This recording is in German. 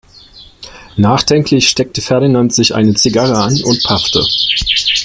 Nachdenklich steckte Ferdinand sich eine Zigarre an und paffte.